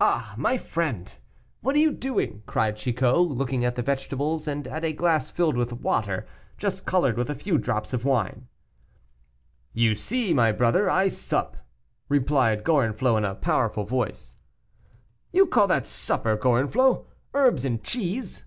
"Ah, my friend! what are you doing?" cried Chicot, looking at the vegetables and at a glass filled with water just colored with a few drops of wine. "You see, my brother, I sup," replied Gorenflot in a powerful voice. "You call that supper, Gorenflot! Herbs and cheese?"